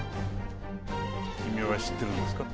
君は知ってるんですか？